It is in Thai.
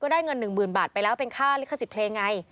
ได้เงินหนึ่งหมื่นบาทไปแล้วเป็นค่าลิขสิทธิ์เพลงไง